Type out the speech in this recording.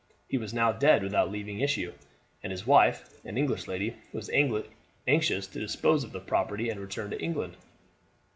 He was now dead without leaving issue, and his wife, an English lady, was anxious to dispose of the property and return to England.